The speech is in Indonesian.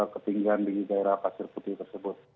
ketinggian di daerah pasir putih tersebut